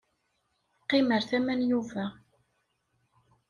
Qqim ar tama n Yuba.